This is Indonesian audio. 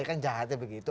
kan jahatnya begitu